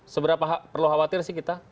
seberapa perlu khawatir sih kita